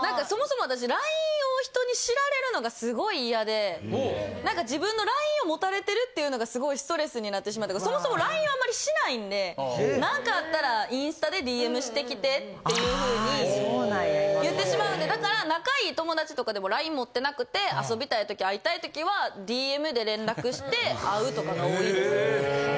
そもそも私ＬＩＮＥを人に知られるのがすごい嫌で、なんか自分のＬＩＮＥを持たれてるっていうのが、すごいストレスになってしまうっていうか、そもそもＬＩＮＥをあんまりしないんで、なんかあったらインスタでＤＭしてきてっていうふうに言ってしまうんで、だから、仲いい友達とかでもＬＩＮＥ持ってなくて、遊びたいとき、会いたいときは、ＤＭで連絡して会うとかが多いです。